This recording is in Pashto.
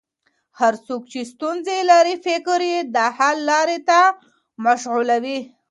هر څوک چې ستونزه لري، فکر یې د حل لارې ته مشغول وي.